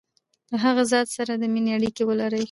له هغه ذات سره د مینې اړیکي ولري.